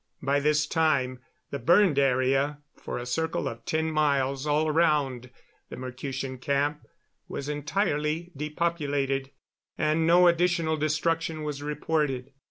By this time the burned area for a circle of ten miles all around the Mercutian camp was entirely depopulated, and no additional destruction was reported.